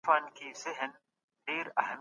له بدو کارونو ځان وساتئ.